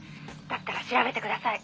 「だったら調べてください」